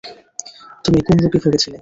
তুমি কোন রোগে ভুগছিলে?